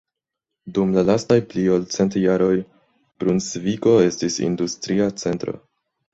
Dum la lastaj pli ol cent jaroj Brunsvigo estis industria centro.